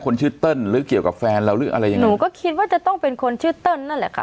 คนชื่อเติ้ลหรือเกี่ยวกับแฟนเราหรืออะไรยังไงหนูก็คิดว่าจะต้องเป็นคนชื่อเติ้ลนั่นแหละค่ะ